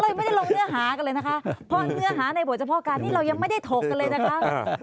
ยังไม่ได้ลงเนื้อหากันเลยนะคะเพราะเนื้อหาในบทเฉพาะการนี้เรายังไม่ได้ถกกันเลยนะคะ